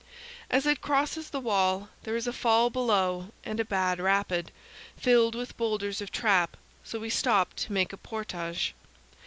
As it crosses the wall, there is a fall below and a bad rapid, filled with boulders of trap; so we stop to make a portage.